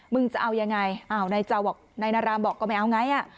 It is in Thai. จะเอายังไงอ้าวนายเจ้าบอกนายนารามบอกก็ไม่เอาไงอ่ะ